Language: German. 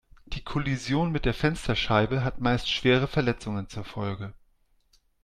Die Kollision mit der Fensterscheibe hat meist schwere Verletzungen zur Folge.